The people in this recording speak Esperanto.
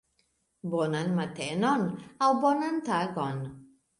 Bonan matenon, aŭ bonan tagon